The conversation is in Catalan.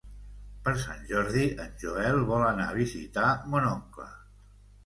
Per Sant Jordi en Joel vol anar a visitar mon oncle.